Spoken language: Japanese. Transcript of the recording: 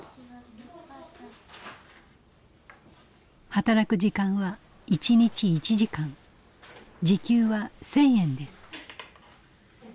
働く時間は１日１時間時給は１，０００円です。